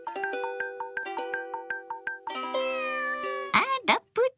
あらプチ！